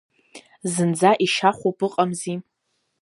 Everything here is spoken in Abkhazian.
Зынӡа ишьахәуп, ыҟамзи…